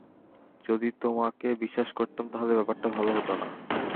যদি তোমাকে বিশ্বাস করতাম তাহলে ব্যাপারটা ভালো হত না।